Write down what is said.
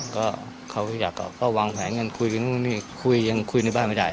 ก็เขาอยากก็วางแผงกันคุยกันคุยกันคุยในบ้านไม่ได้